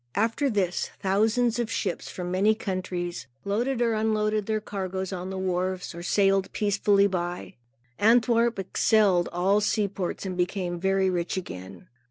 After this, thousands of ships, from many countries, loaded or unloaded their cargoes on the wharves, or sailed peacefully by. Antwerp excelled all seaports and became very rich again.